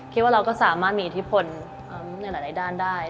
คิดว่าเราก็สามารถมีอิทธิพลในหลายด้านได้